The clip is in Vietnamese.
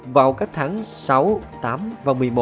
vào các tháng sáu tám và một mươi một